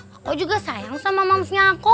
aku juga sayang sama momsnya aku